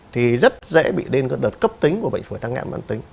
thì rất dễ bị lên cơn đợt cấp tính của bệnh phổi tăng nghẹn mạn tính